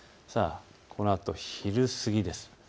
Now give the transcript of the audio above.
このあと昼過ぎです。